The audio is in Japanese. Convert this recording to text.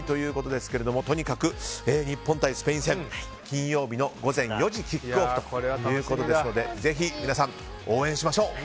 とにかく日本対スペイン戦金曜日の午前４時キックオフということですのでぜひ皆さん、応援しましょう。